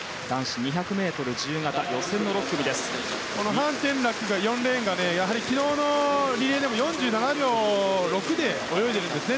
ハン・テンラク、４レーンが昨日のリレーでも４７秒６で泳いでいるんですね。